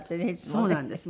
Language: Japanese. そうなんです。